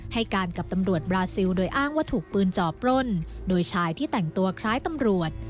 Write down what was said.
ให้การกับตำรวจบราซิลโดยอ้างว่าถูกปืนจ่อปล้นโดยชายที่แต่งตัวคล้ายตำรวจ